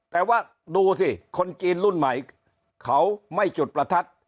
แต่ว่าดูสิคนจีนรุ่นใหม่เขาไม่จุดประทัด